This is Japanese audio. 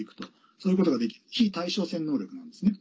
そういうことができる非対称戦能力なんですね。